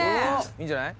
「いいんじゃない？」